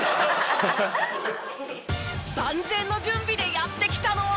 万全の準備でやって来たのは。